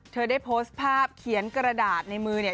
เธอได้โพสต์ภาพเขียนกระดาษในมือเนี่ย